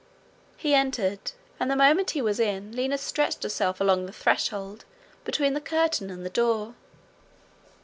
He entered, and the moment he was in, Lina stretched herself along the threshold between the curtain and the door.